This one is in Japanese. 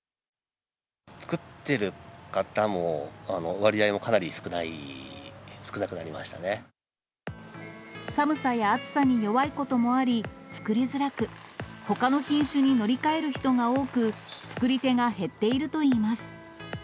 作っている方も、割合もかな寒さや暑さに弱いこともあり、作りづらく、ほかの品種に乗り換える人が多く、作り手が減っているといいます。